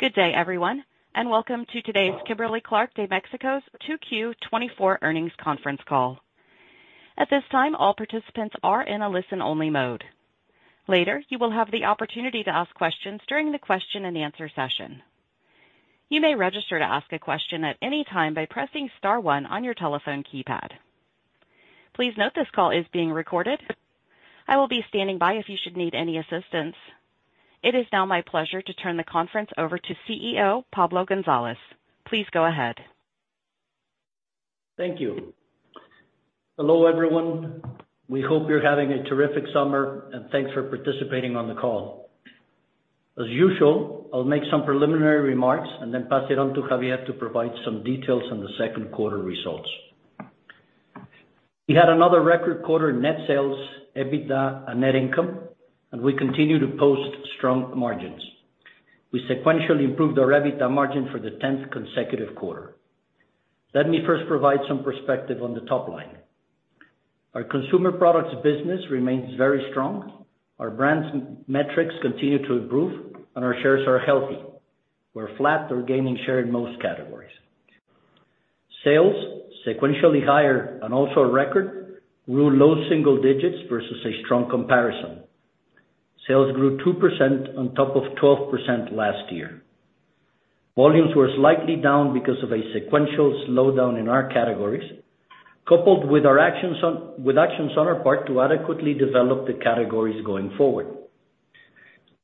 Good day, everyone, and welcome to today's Kimberly-Clark de México's 2Q 2024 Earnings Conference Call. At this time, all participants are in a listen-only mode. Later, you will have the opportunity to ask questions during the question and answer session. You may register to ask a question at any time by pressing star one on your telephone keypad. Please note this call is being recorded. I will be standing by if you should need any assistance. It is now my pleasure to turn the conference over to CEO, Pablo González. Please go ahead. Thank you. Hello, everyone. We hope you're having a terrific summer, and thanks for participating on the call. As usual, I'll make some preliminary remarks and then pass it on to Xavier to provide some details on the second quarter results. We had another record quarter net sales, EBITDA, and net income, and we continue to post strong margins. We sequentially improved our EBITDA margin for the tenth consecutive quarter. Let me first provide some perspective on the top line. Our consumer products business remains very strong. Our brands metrics continue to improve, and our shares are healthy. We're flat or gaining share in most categories. Sales, sequentially higher and also a record, grew low single digits versus a strong comparison. Sales grew 2% on top of 12% last year. Volumes were slightly down because of a sequential slowdown in our categories, coupled with our actions on our part to adequately develop the categories going forward.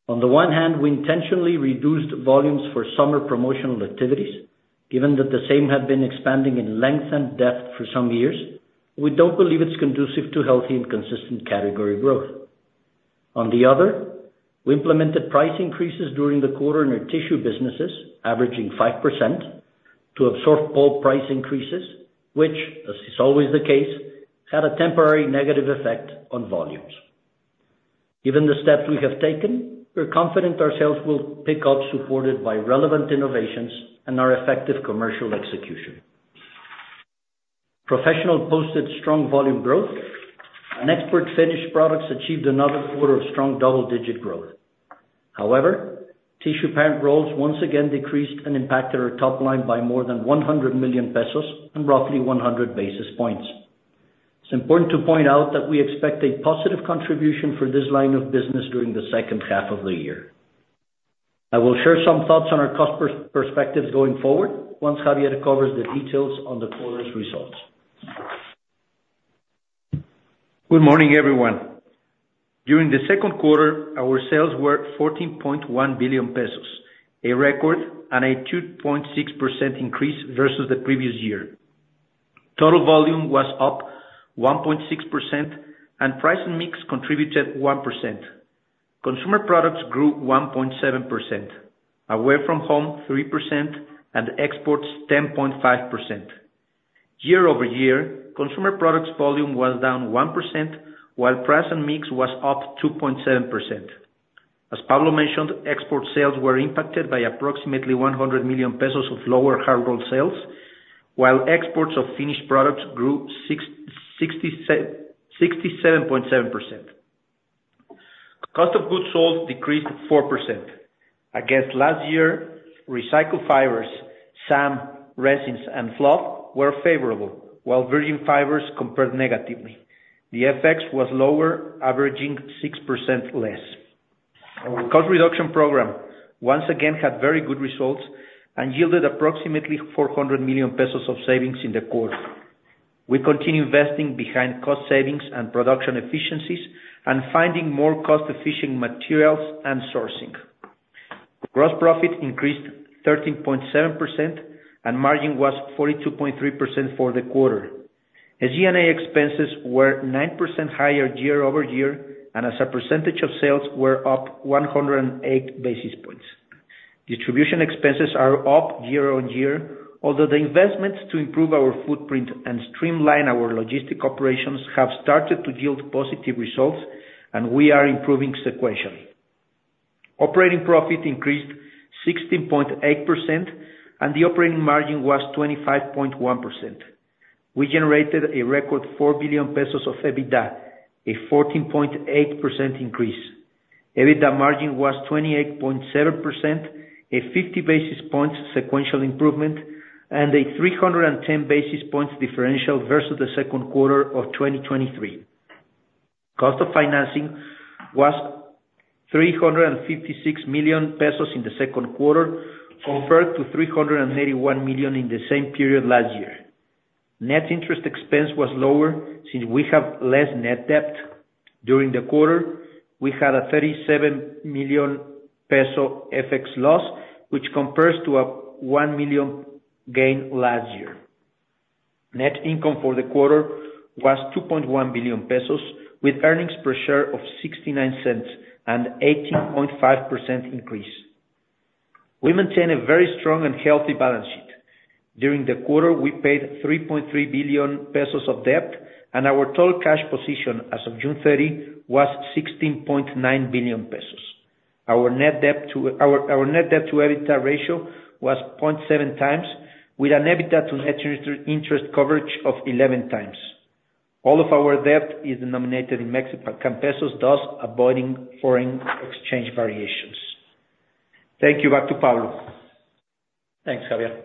On the one hand, we intentionally reduced volumes for summer promotional activities, given that the same had been expanding in length and depth for some years. We don't believe it's conducive to healthy and consistent category growth. On the other, we implemented price increases during the quarter in our tissue businesses, averaging 5%, to absorb pulp price increases, which, as is always the case, had a temporary negative effect on volumes. Given the steps we have taken, we're confident our sales will pick up, supported by relevant innovations and our effective commercial execution. Professional posted strong volume growth, and export finished products achieved another quarter of strong double-digit growth. However, tissue parent rolls once again decreased and impacted our top line by more than 100 million pesos and roughly 100 basis points. It's important to point out that we expect a positive contribution for this line of business during the second half of the year. I will share some thoughts on our cost perspectives going forward, once Xavier covers the details on the quarter's results. Good morning, everyone. During the second quarter, our sales were 14.1 billion pesos, a record and a 2.6% increase versus the previous year. Total volume was up 1.6%, and price and mix contributed 1%. Consumer products grew 1.7%, away from home, 3%, and exports, 10.5%. Year-over-year, consumer products volume was down 1%, while price and mix was up 2.7%. As Pablo mentioned, export sales were impacted by approximately 100 million pesos of lower hard roll sales, while exports of finished products grew 67.7%. Cost of goods sold decreased 4%. Against last year, recycled fibers, some resins and fluff were favorable, while virgin fibers compared negatively. The FX was lower, averaging 6% less. Our cost reduction program once again had very good results and yielded approximately 400 million pesos of savings in the quarter. We continue investing behind cost savings and production efficiencies and finding more cost-efficient materials and sourcing. Gross profit increased 13.7%, and margin was 42.3% for the quarter. As G&A expenses were 9% higher year-over-year, and as a percentage of sales were up 108 basis points. Distribution expenses are up year-over-year, although the investments to improve our footprint and streamline our logistics operations have started to yield positive results, and we are improving sequentially. Operating profit increased 16.8%, and the operating margin was 25.1%. We generated a record 4 billion pesos of EBITDA, a 14.8% increase. EBITDA margin was 28.7%, a 50 basis points sequential improvement, and a 310 basis points differential versus the second quarter of 2023. Cost of financing was 356 million pesos in the second quarter, compared to 381 million in the same period last year. Net interest expense was lower, since we have less net debt. During the quarter, we had a 37 million peso FX loss, which compares to a 1 million gain last year. Net income for the quarter was 2.1 billion pesos, with earnings per share of 0.69 and 18.5% increase. We maintain a very strong and healthy balance sheet. During the quarter, we paid 3.3 billion pesos of debt, and our total cash position as of June 30 was 16.9 billion pesos. Our net debt to EBITDA ratio was 0.7 times, with an EBITDA to net interest coverage of 11 times. All of our debt is denominated in Mexican pesos, thus avoiding foreign exchange variations. Thank you. Back to Pablo. Thanks, Xavier.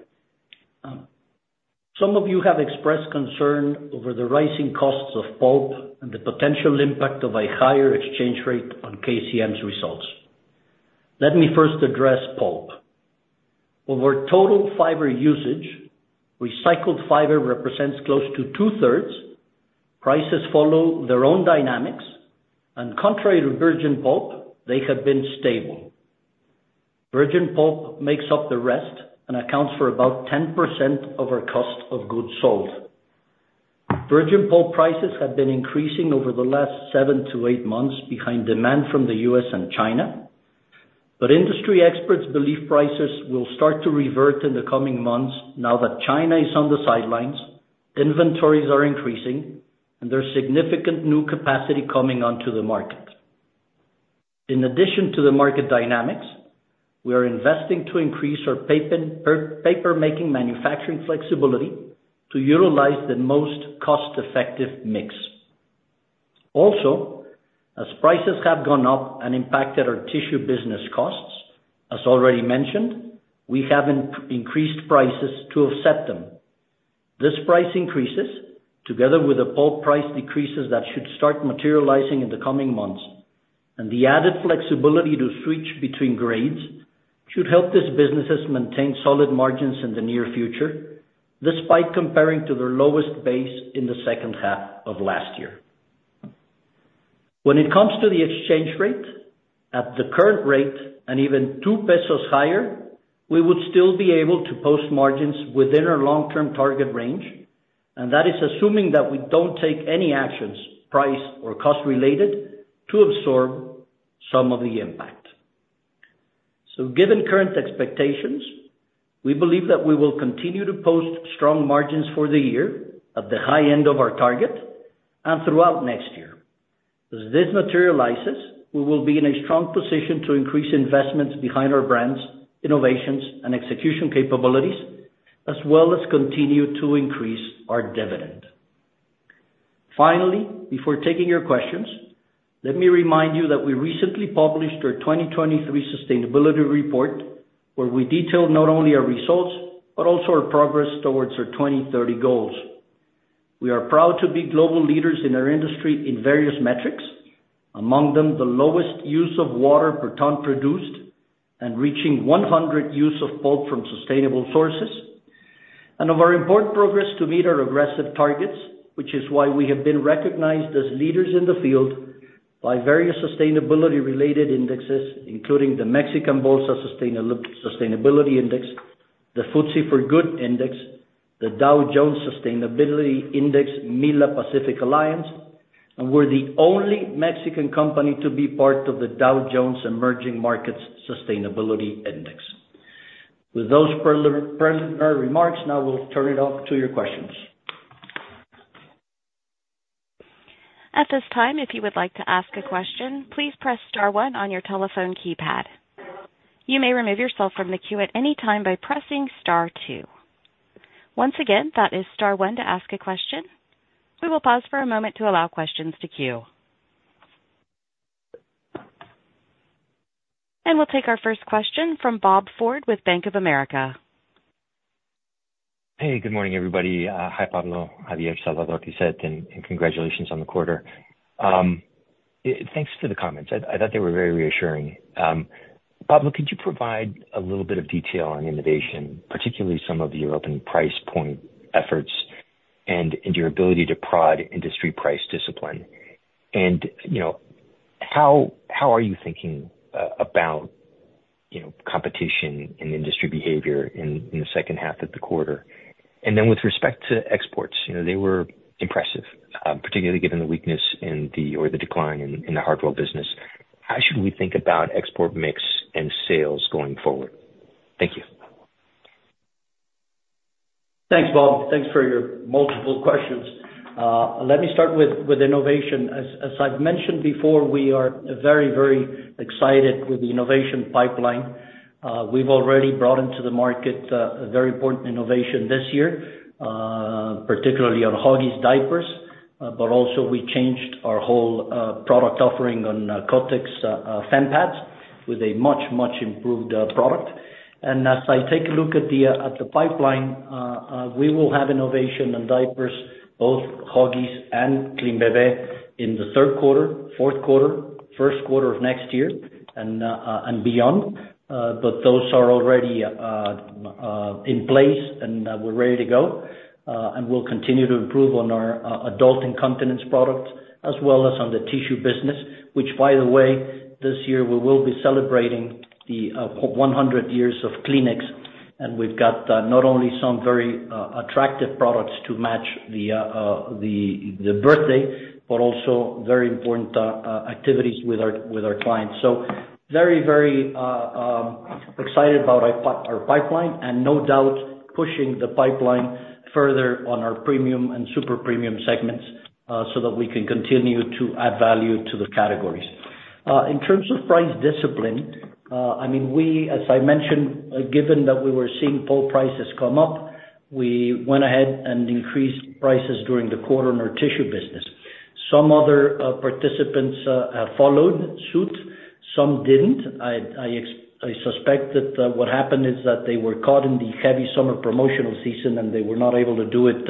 Some of you have expressed concern over the rising costs of pulp and the potential impact of a higher exchange rate on KCM's results. Let me first address pulp. Over total fiber usage, recycled fiber represents close to two-thirds. Prices follow their own dynamics, and contrary to virgin pulp, they have been stable. Virgin pulp makes up the rest and accounts for about 10% of our cost of goods sold. Virgin pulp prices have been increasing over the last 7-8 months behind demand from the U.S. and China, but industry experts believe prices will start to revert in the coming months now that China is on the sidelines, inventories are increasing, and there's significant new capacity coming onto the market. In addition to the market dynamics, we are investing to increase our paper-making manufacturing flexibility to utilize the most cost-effective mix. Also, as prices have gone up and impacted our tissue business costs, as already mentioned, we have increased prices to offset them. These price increases, together with the pulp price decreases that should start materializing in the coming months, and the added flexibility to switch between grades, should help these businesses maintain solid margins in the near future, despite comparing to their lowest base in the second half of last year. When it comes to the exchange rate, at the current rate and even two pesos higher, we would still be able to post margins within our long-term target range, and that is assuming that we don't take any actions, price or cost related, to absorb some of the impact. So given current expectations, we believe that we will continue to post strong margins for the year at the high end of our target and throughout next year. As this materializes, we will be in a strong position to increase investments behind our brands, innovations, and execution capabilities, as well as continue to increase our dividend. Finally, before taking your questions, let me remind you that we recently published our 2023 sustainability report, where we detailed not only our results, but also our progress towards our 2030 goals. We are proud to be global leaders in our industry in various metrics, among them, the lowest use of water per ton produced and reaching 100% use of pulp from sustainable sources, and of our important progress to meet our aggressive targets. Which is why we have been recognized as leaders in the field by various sustainability-related indexes, including the Mexican Bolsa Sustainability Index, the FTSE4Good Index, the Dow Jones Sustainability Index, MILA Pacific Alliance, and we're the only Mexican company to be part of the Dow Jones Emerging Markets Sustainability Index. With those preliminary remarks, now we'll turn it over to your questions. At this time, if you would like to ask a question, please press star one on your telephone keypad. You may remove yourself from the queue at any time by pressing star two. Once again, that is star one to ask a question. We will pause for a moment to allow questions to queue. And we'll take our first question from Bob Ford with Bank of America. Hey, good morning, everybody. Hi, Pablo, Xavier, Salvador, Lizeth, and congratulations on the quarter. Thanks for the comments. I thought they were very reassuring. Pablo, could you provide a little bit of detail on innovation, particularly some of your open price point efforts and your ability to prod industry price discipline? And, you know, how are you thinking about, you know, competition and industry behavior in the second half of the quarter? And then with respect to exports, you know, they were impressive, particularly given the weakness in the, or the decline in the hard roll business. How should we think about export mix and sales going forward? Thank you. Thanks, Bob. Thanks for your multiple questions. Let me start with innovation. As I've mentioned before, we are very, very excited with the innovation pipeline. We've already brought into the market a very important innovation this year, particularly on Huggies diapers. But also we changed our whole product offering on Kotex fem pads with a much, much improved product. And as I take a look at the pipeline, we will have innovation on diapers, both Huggies and KleenBebé, in the third quarter, fourth quarter, first quarter of next year, and beyond. But those are already in place, and we're ready to go. And we'll continue to improve on our adult incontinence products, as well as on the tissue business, which, by the way, this year we will be celebrating the 100 years of Kleenex. And we've got not only some very attractive products to match the birthday, but also very important activities with our clients. So very, very excited about our pipeline, and no doubt pushing the pipeline further on our premium and super premium segments, so that we can continue to add value to the categories. In terms of price discipline, I mean, we, as I mentioned, given that we were seeing pulp prices come up, we went ahead and increased prices during the quarter on our tissue business. Some other participants followed suit, some didn't. I suspect that what happened is that they were caught in the heavy summer promotional season, and they were not able to do it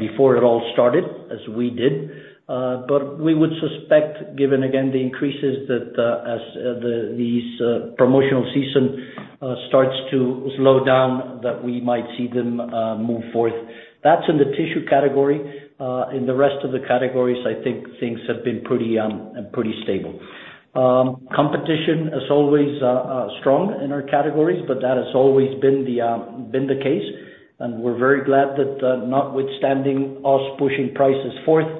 before it all started, as we did. But we would suspect, given again the increases that, as the promotional season starts to slow down, that we might see them move forth. That's in the Tissue category. In the rest of the categories, I think things have been pretty pretty stable. Competition is always strong in our categories, but that has always been the case, and we're very glad that, notwithstanding us pushing prices forth,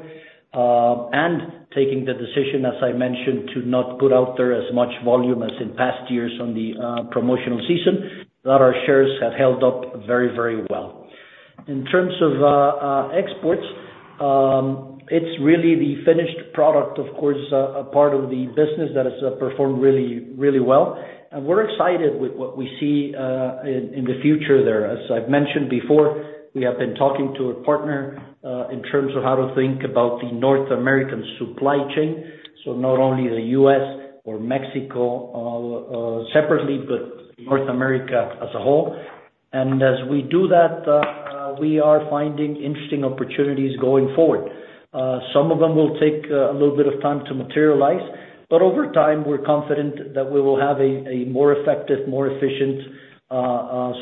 and taking the decision, as I mentioned, to not put out there as much volume as in past years on the promotional season, that our shares have held up very, very well. In terms of exports, it's really the finished product, of course, a part of the business that has performed really, really well, and we're excited with what we see in the future there. As I've mentioned before, we have been talking to a partner in terms of how to think about the North American supply chain, so not only the U.S. or Mexico separately, but North America as a whole. And as we do that, we are finding interesting opportunities going forward. Some of them will take a little bit of time to materialize, but over time, we're confident that we will have a more effective, more efficient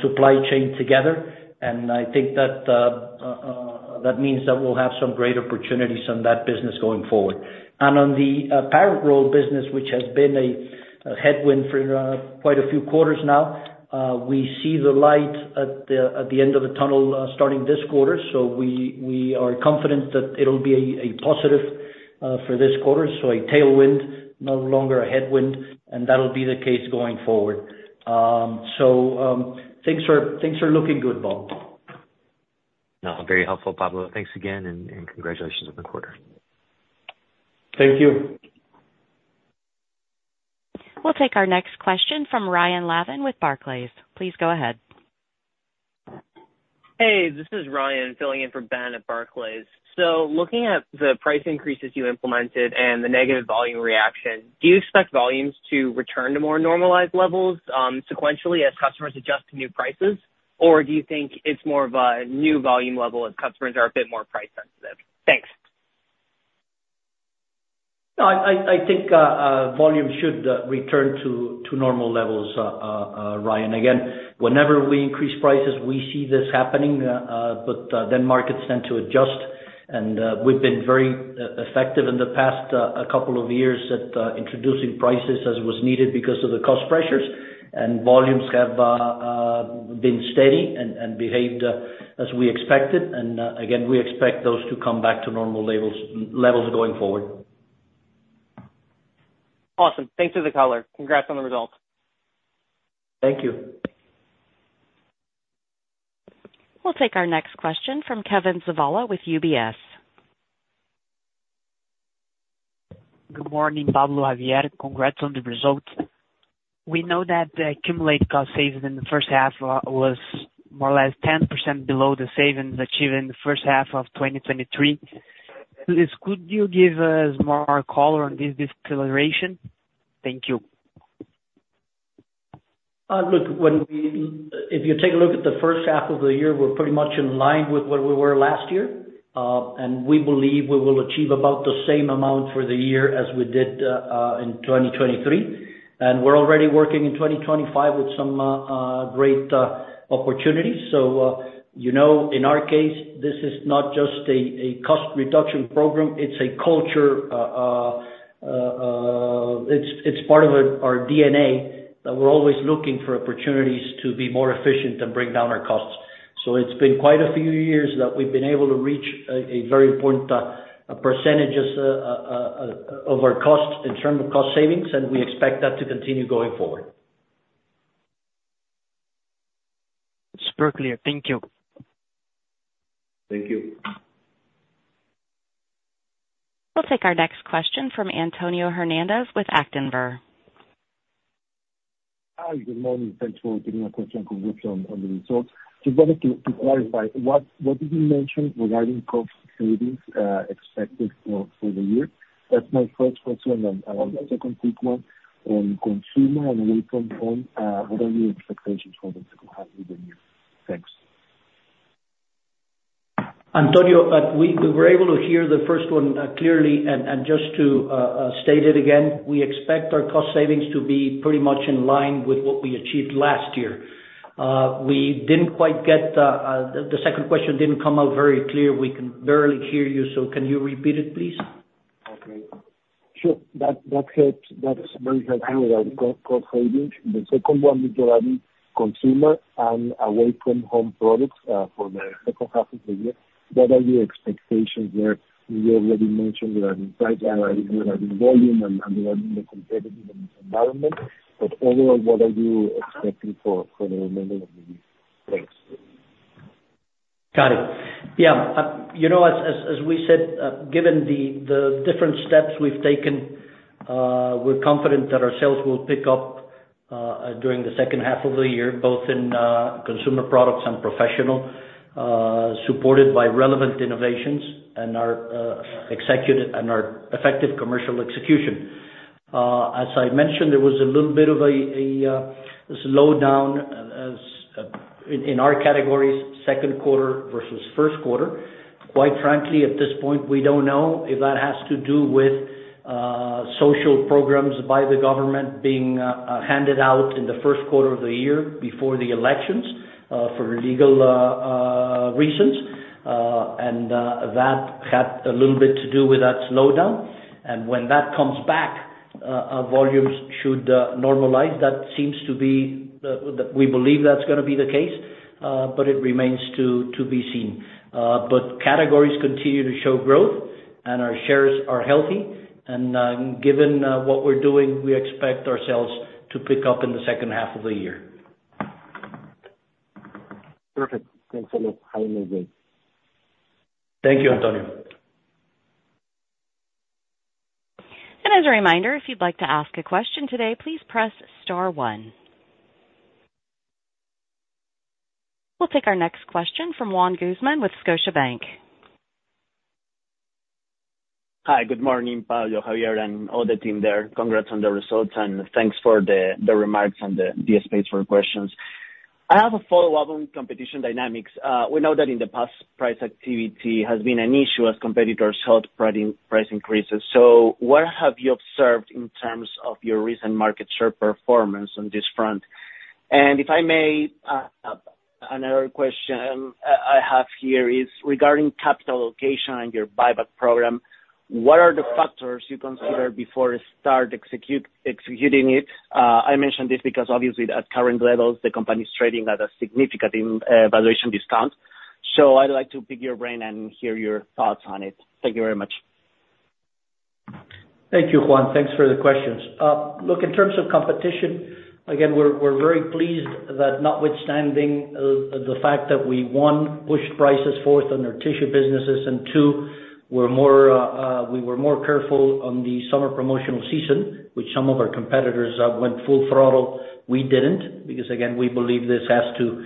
supply chain together. And I think that that means that we'll have some great opportunities on that business going forward. And on the parent roll business, which has been a headwind for quite a few quarters now, we see the light at the end of the tunnel starting this quarter. So we are confident that it'll be a positive for this quarter, so a tailwind, no longer a headwind, and that'll be the case going forward. So things are looking good, Bob. No, very helpful, Pablo. Thanks again, and, and congratulations on the quarter. Thank you. We'll take our next question from Ryan Levine with Barclays. Please go ahead. Hey, this is Ryan filling in for Ben at Barclays. So looking at the price increases you implemented and the negative volume reaction, do you expect volumes to return to more normalized levels sequentially as customers adjust to new prices? Or do you think it's more of a new volume level as customers are a bit more price sensitive? Thanks. No, I think volume should return to normal levels, Ryan. Again, whenever we increase prices, we see this happening, but then markets tend to adjust. And we've been very effective in the past couple of years at introducing prices as was needed because of the cost pressures. And volumes have been steady and behaved as we expected, and again, we expect those to come back to normal levels going forward. Awesome. Thanks for the color. Congrats on the results. Thank you. We'll take our next question from Kevin Zavala with UBS. Good morning, Pablo, Xavier. Congrats on the results. We know that the accumulated cost savings in the first half was more or less 10% below the savings achieved in the first half of 2023. Please, could you give us more color on this deceleration? Thank you. Look, when we, if you take a look at the first half of the year, we're pretty much in line with where we were last year. And we believe we will achieve about the same amount for the year as we did, in 2023. And we're already working in 2025 with some, great, opportunities. So, you know, in our case, this is not just a, a cost reduction program, it's a culture, it's, it's part of our, our DNA, that we're always looking for opportunities to be more efficient and bring down our costs. So it's been quite a few years that we've been able to reach a, a very important, of our costs in terms of cost savings, and we expect that to continue going forward. Super clear. Thank you. Thank you. We'll take our next question from Antonio Hernández with Actinver. Hi, good morning. Thanks for giving a quick congratulations on the results. Just wanted to clarify, what did you mention regarding cost savings expected for the year? That's my first question. The second quick one on consumer and away-from-home, what are the expectations for the second half of the year? Thanks. Antonio, we were able to hear the first one clearly, and just to state it again, we expect our cost savings to be pretty much in line with what we achieved last year. We didn't quite get. The second question didn't come out very clear. We can barely hear you. So can you repeat it, please? Okay. Sure. That, that helps. That is very helpful regarding cost, cost savings. The second one was regarding consumer and away-from-home products for the second half of the year, what are the expectations there? You already mentioned regarding price and regarding volume and, and regarding the competitive environment, but overall, what are you expecting for, for the remainder of the year? Thanks. Got it. Yeah, you know, as we said, we're confident that our sales will pick up during the second half of the year, both in consumer products and professional, supported by relevant innovations and our executive- and our effective commercial execution. As I mentioned, there was a little bit of a slowdown in our categories, second quarter versus first quarter. Quite frankly, at this point, we don't know if that has to do with social programs by the government being handed out in the first quarter of the year before the elections, for legal reasons. And that had a little bit to do with that slowdown, and when that comes back, our volumes should normalize. That seems to be the—we believe that's gonna be the case, but it remains to be seen. But categories continue to show growth, and our shares are healthy, and given what we're doing, we expect ourselves to pick up in the second half of the year. Perfect. Thanks a lot. Have a nice day. Thank you, Antonio. As a reminder, if you'd like to ask a question today, please press star one. We'll take our next question from Juan Guzmán with Scotiabank. Hi, good morning, Paulo, Xavier, and all the team there. Congrats on the results, and thanks for the, the remarks and the, the space for questions. I have a follow-up on competition dynamics. We know that in the past, price activity has been an issue as competitors held price increases. So what have you observed in terms of your recent market share performance on this front? And if I may, another question, I have here is regarding capital allocation and your buyback program, what are the factors you consider before you start executing it? I mention this because obviously, at current levels, the company is trading at a significant valuation discount. So I'd like to pick your brain and hear your thoughts on it. Thank you very much. Thank you, Juan. Thanks for the questions. Look, in terms of competition, again, we're very pleased that notwithstanding the fact that we, one, pushed prices forward on our tissue businesses, and two, we were more careful on the summer promotional season, which some of our competitors went full throttle. We didn't, because, again, we believe this has to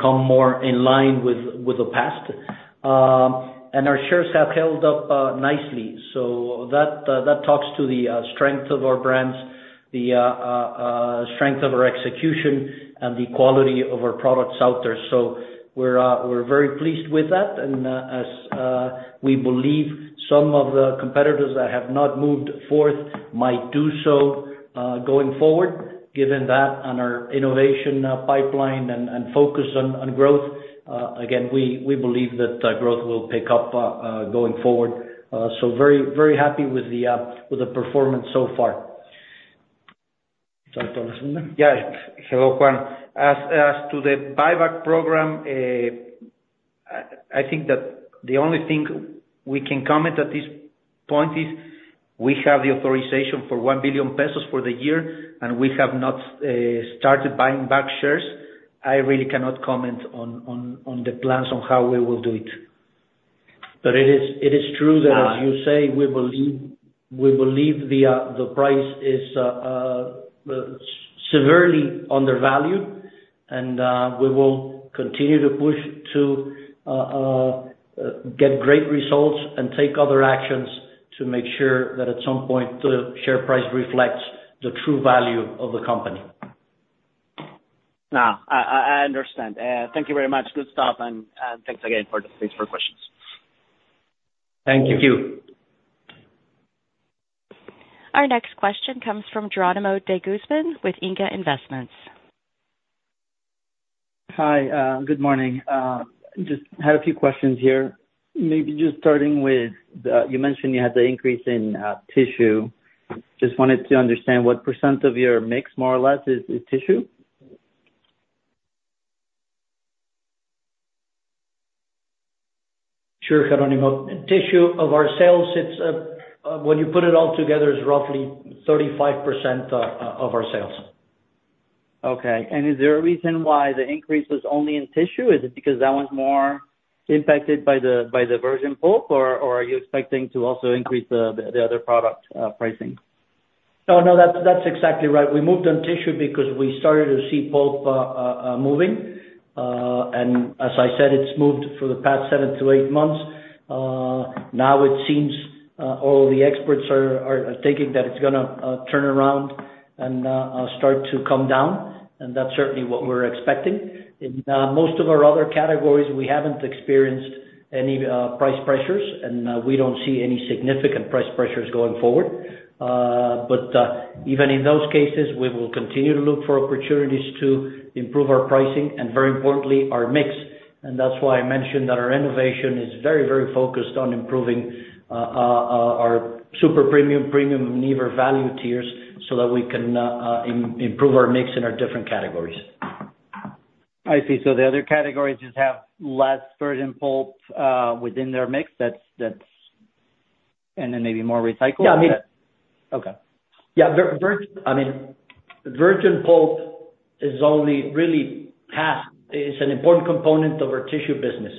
come more in line with the past. And our shares have held up nicely, so that talks to the strength of our brands, the strength of our execution, and the quality of our products out there. So we're very pleased with that, and as we believe some of the competitors that have not moved forward might do so going forward. Given that on our innovation pipeline and focus on growth, again, we believe that growth will pick up going forward. So very, very happy with the performance so far. Yeah. Hello, Juan. As, as to the buyback program, I, I think that the only thing we can comment at this point is we have the authorization for 1 billion pesos for the year, and we have not started buying back shares. I really cannot comment on, on, on the plans on how we will do it. But it is true that, as you say, we believe the price is severely undervalued, and we will continue to push to get great results and take other actions to make sure that at some point, the share price reflects the true value of the company. No, I understand. Thank you very much. Good stuff, and thanks for questions. Thank you. Thank you. Our next question comes from Jeronimo de Guzman with INCA Investments. Hi, good morning. Just had a few questions here. Maybe just starting with, you mentioned you had the increase in tissue. Just wanted to understand what percent of your mix, more or less, is tissue? Sure, Jeronimo. Tissue of our sales, it's, when you put it all together, is roughly 35% of our sales. Okay, and is there a reason why the increase was only in tissue? Is it because that one's more impacted by the virgin pulp, or are you expecting to also increase the other product pricing? No, no, that's, that's exactly right. We moved on tissue because we started to see pulp moving. And as I said, it's moved for the past 7-8 months. Now it seems all the experts are thinking that it's gonna turn around and start to come down, and that's certainly what we're expecting. In most of our other categories, we haven't experienced any price pressures, and we don't see any significant price pressures going forward. But even in those cases, we will continue to look for opportunities to improve our pricing and very importantly, our mix. And that's why I mentioned that our innovation is very, very focused on improving our super premium, premium, never value tiers, so that we can improve our mix in our different categories. I see. So the other categories just have less virgin pulp within their mix, that's. And then maybe more recycled? Yeah, I mean- Okay. Yeah, virgin pulp is only really half, it's an important component of our tissue business.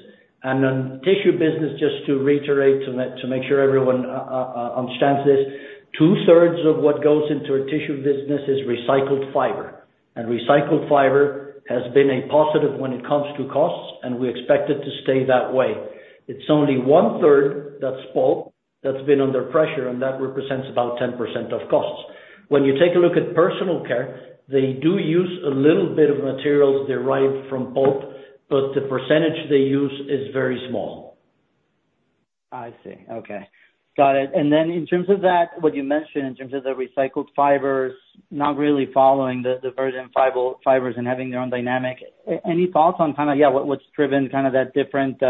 And then tissue business, just to reiterate, to make sure everyone understands this, two-thirds of what goes into our tissue business is recycled fiber. And recycled fiber has been a positive when it comes to costs, and we expect it to stay that way. It's only one-third, that's pulp, that's been under pressure, and that represents about 10% of costs. When you take a look at personal care, they do use a little bit of materials derived from pulp, but the percentage they use is very small. I see. Okay. Got it. And then in terms of that, what you mentioned in terms of the recycled fibers, not really following the, the virgin fiber, fibers and having their own dynamic, any thoughts on kind of, yeah, what, what's driven kind of that different,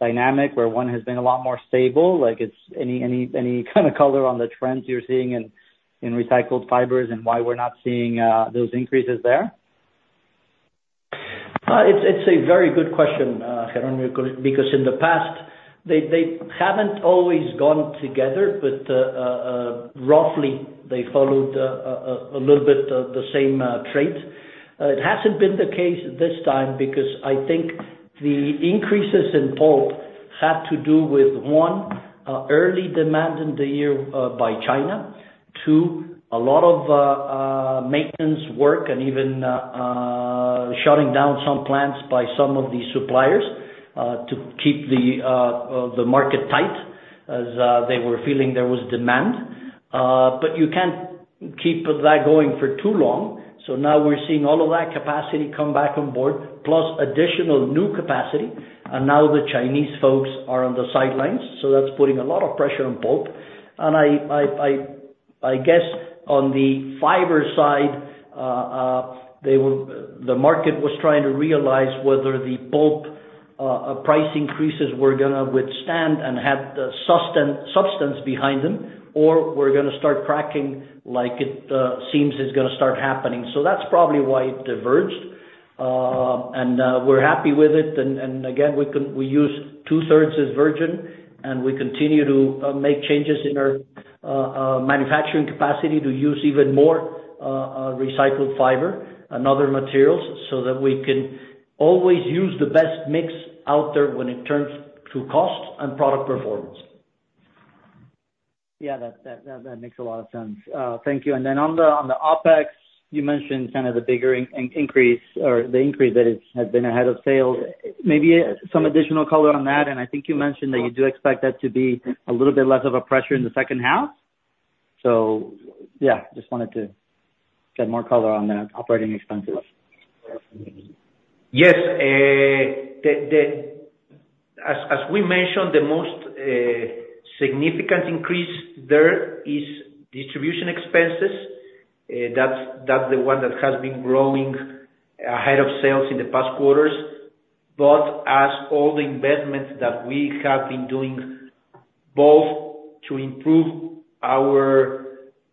dynamic, where one has been a lot more stable? Like, it's any, any, any kind of color on the trends you're seeing in, in recycled fibers and why we're not seeing, those increases there? It's a very good question, Geronimo, because in the past, they haven't always gone together, but roughly, they followed a little bit of the same trait. It hasn't been the case this time because I think the increases in pulp had to do with, 1, early demand in the year by China. 2, a lot of maintenance work and even shutting down some plants by some of the suppliers to keep the market tight, as they were feeling there was demand. But you can't keep that going for too long, so now we're seeing all of that capacity come back on board, plus additional new capacity, and now the Chinese folks are on the sidelines, so that's putting a lot of pressure on pulp. I guess on the fiber side, the market was trying to realize whether the pulp price increases were gonna withstand and have the substance behind them, or were gonna start cracking like it seems it's gonna start happening. So that's probably why it diverged. And we're happy with it, and again, we use two-thirds virgin, and we continue to make changes in our manufacturing capacity to use even more recycled fiber and other materials, so that we can always use the best mix out there when it comes to cost and product performance. Yeah, that makes a lot of sense. Thank you. And then on the OpEx, you mentioned kind of the bigger increase or the increase that it has been ahead of sales. Maybe some additional color on that, and I think you mentioned that you do expect that to be a little bit less of a pressure in the second half. So yeah, just wanted to get more color on the operating expenses. Yes, as we mentioned, the most significant increase there is distribution expenses. That's the one that has been growing ahead of sales in the past quarters. But as all the investments that we have been doing, both to improve our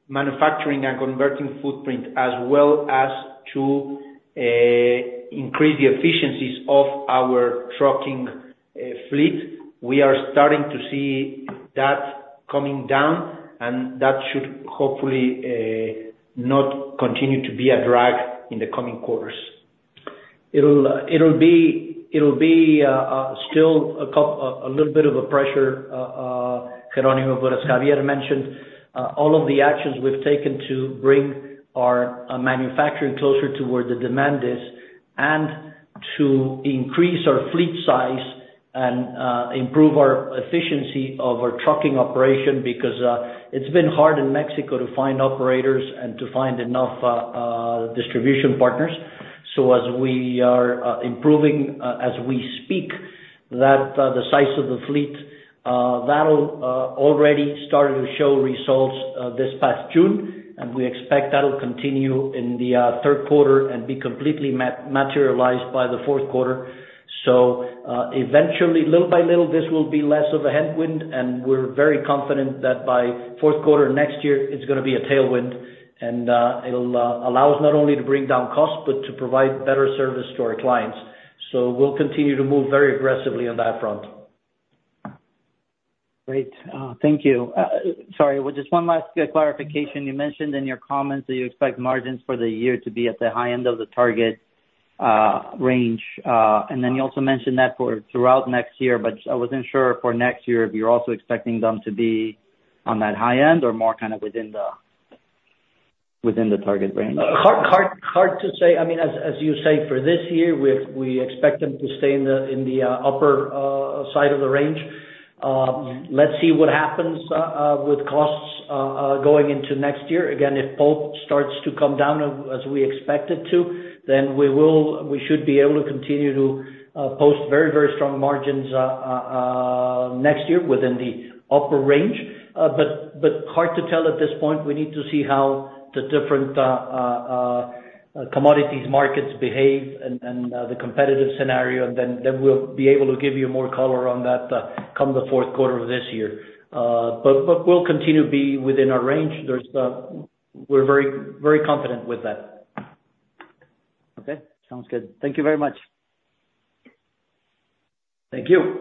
manufacturing and converting footprint, as well as to increase the efficiencies of our trucking fleet, we are starting to see that coming down, and that should hopefully not continue to be a drag in the coming quarters. It'll be a little bit of a pressure, Jeronimo, but as Xavier mentioned, all of the actions we've taken to bring our manufacturing closer to where the demand is, and to increase our fleet size and improve our efficiency of our trucking operation, because it's been hard in Mexico to find operators and to find enough distribution partners. So as we are improving as we speak, that the size of the fleet, that'll already started to show results this past June, and we expect that'll continue in the third quarter and be completely materialized by the fourth quarter. So, eventually, little by little, this will be less of a headwind, and we're very confident that by fourth quarter next year, it's gonna be a tailwind, and it'll allow us not only to bring down costs, but to provide better service to our clients. So we'll continue to move very aggressively on that front. Great. Thank you. Sorry, just one last clarification. You mentioned in your comments that you expect margins for the year to be at the high end of the target range, and then you also mentioned that for throughout next year, but I wasn't sure for next year, if you're also expecting them to be on that high end or more kind of within the, within the target range? Hard to say. I mean, as you say, for this year, we expect them to stay in the upper side of the range. Let's see what happens with costs going into next year. Again, if pulp starts to come down as we expect it to, then we should be able to continue to post very, very strong margins next year within the upper range. But hard to tell at this point. We need to see how the different commodities markets behave and the competitive scenario, and then we'll be able to give you more color on that come the fourth quarter of this year. But we'll continue to be within our range. We're very, very confident with that. Okay, sounds good. Thank you very much. Thank you.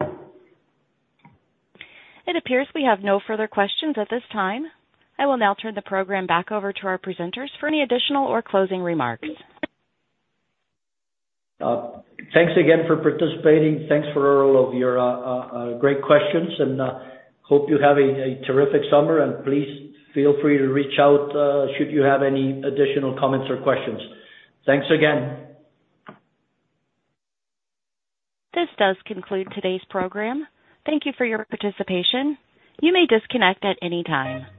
It appears we have no further questions at this time. I will now turn the program back over to our presenters for any additional or closing remarks. Thanks again for participating. Thanks for all of your great questions, and hope you have a terrific summer, and please feel free to reach out should you have any additional comments or questions. Thanks again! This does conclude today's program. Thank you for your participation. You may disconnect at any time.